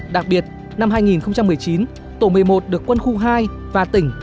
đặc biệt năm hai nghìn một mươi chín tổ một mươi một được quân khu hai và tỉnh